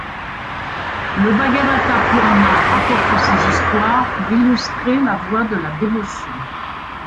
Le Bhâgavata Purâna rapporte ces histoires pour illustrer la voie de la dévotion.